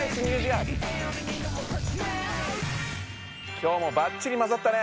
今日もばっちりまざったね！